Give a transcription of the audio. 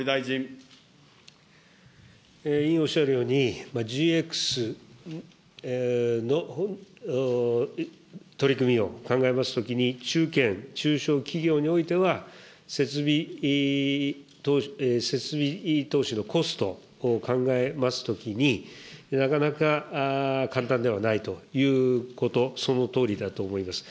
委員おっしゃるように、ＧＸの取り組みを考えますときに、中堅、中小企業においては、設備投資のコストを考えますときに、なかなか簡単ではないということ、そのとおりだと思います。